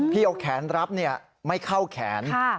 พี่เอาแขนรับเนี่ยไม่เข้าแขน